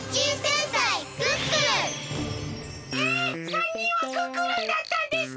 ３にんはクックルンだったんですか！？